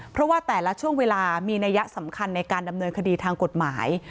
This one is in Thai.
เพราะว่าแต่ละช่วงเวลามีนัยสำคัญในการดำเนินคดีทางกฎหมาย